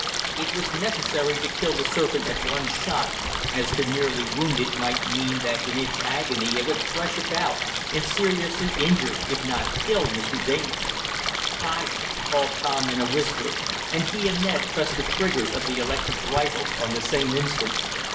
It was necessary to kill the serpent at one shot, as to merely wound it might mean that in its agony it would thresh about, and seriously injure, if not kill, Mr. Damon. "Fire!" called Tom in a whisper, and he and Ned pressed the triggers of the electric rifles on the same instant.